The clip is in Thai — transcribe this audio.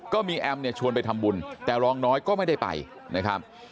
ก็มีแอมเนี่ยชวนไปทำบุญแต่รองน้อยก็ไม่ได้ไปนะครับ